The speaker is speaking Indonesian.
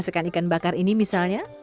sekan ikan bakar ini misalnya